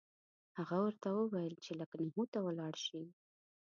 هغه ورته وویل چې لکنهو ته ولاړ شي.